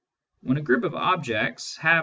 When a group of objects have .